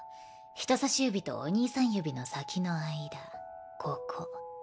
人さし指とお兄さん指の先の間ここ。